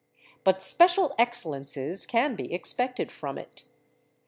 But special excellences can be expected from it.